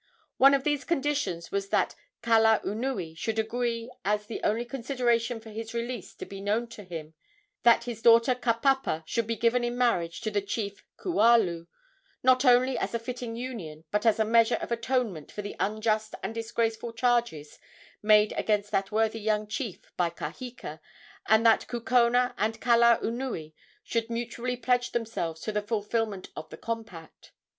One of these conditions was that Kalaunui should agree, as the only consideration for his release to be known to him, that his daughter Kapapa should be given in marriage to the chief Kualu, not only as a fitting union, but as a measure of atonement for the unjust and disgraceful charges made against that worthy young chief by Kaheka, and that Kukona and Kalaunui should mutually pledge themselves to the fulfilment of the compact.